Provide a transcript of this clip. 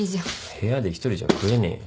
部屋で一人じゃ食えねえよ。